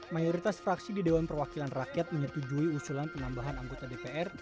mayoritas fraksi di dewan perwakilan rakyat menyetujui usulan penambahan anggota dpr